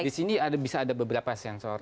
jadi disini ada bisa ada beberapa sensor